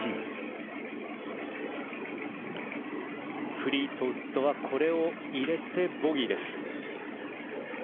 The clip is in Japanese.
フリートウッドはこれを入れてボギーです。